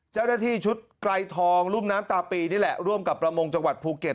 เจ้าหน้าที่ชุดไกลทองรุ่มน้ำตาปีนี่แหละร่วมกับประมงจังหวัดภูเก็ต